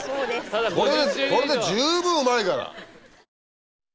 これで十分うまいから。